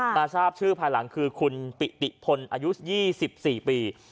ทราบชื่อภายหลังคือคุณปิติพลอายุ๒๔ปี